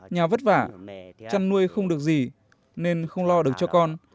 nhà vất vả chăn nuôi không được gì nên không lo được cho con